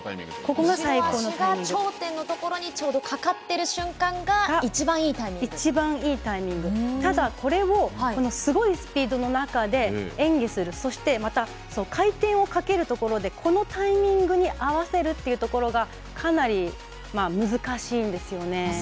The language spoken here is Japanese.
後ろ足が頂点のところにちょうどかかっている瞬間がただ、これをすごいスピードの中で演技する、そしてまた回転をかけるところでこのタイミングに合わせるというところが、かなり難しいんですよね。